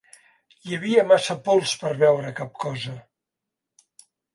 Hi havia massa pols per veure cap cosa.